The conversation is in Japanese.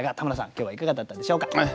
今日はいかがだったでしょうか？